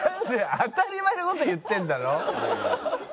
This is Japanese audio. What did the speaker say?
当たり前の事言ってるだろ？